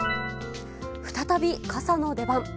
再び傘の出番。